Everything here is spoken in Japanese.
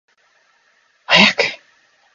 早く